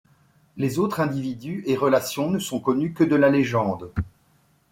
Les autres individus et relations ne sont connus que de la légende.